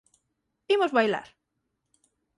Imos bailar